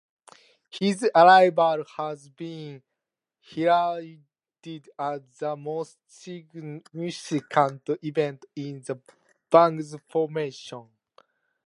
His arrival has been heralded as the most significant event in the band's formation.